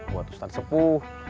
buat ustaz sepuh